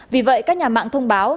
vì vậy các nhà mạng thông báo